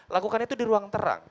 lakukan itu di ruang terang